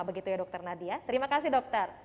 begitu ya dokter nadia terima kasih dokter